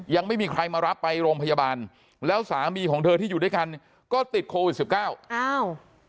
ยังไม่มีใครมารับไปโรงพยาบาลแล้วสามีของเธอที่อยู่ด้วยกันก็ติดโควิดสิบเก้าอ้าว